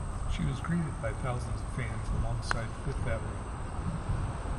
She was greeted by thousands of fans alongside Fifth Avenue.